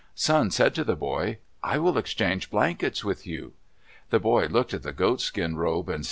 Sun said to the boy, "I will exchange blankets with you." The boy looked at the goatskin robe, and said, "Oh, no!"